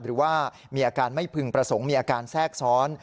หรือว่ามีอาการไม่พึงประสงค์มีอาการแทรกซ้อน